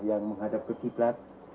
yang menghadap kekiplat